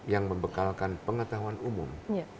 yang membekalkan pengetahuan umum